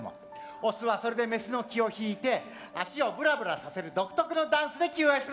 オスはそれでメスの気を引いて足をぶらぶらさせる独特のダンスで求愛するんだ！